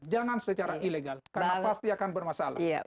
jangan secara ilegal karena pasti akan bermasalah